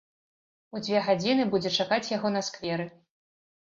У дзве гадзіны будзе чакаць яго на скверы.